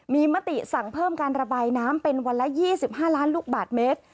มีมติสั่งเพิ่มการระบายน้ำเป็นวันละ๒๕ล้านลูกบาทเมตร